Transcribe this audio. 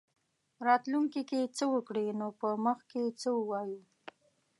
راتلونکې کې څه وکړي نو په مخ کې څه ووایو.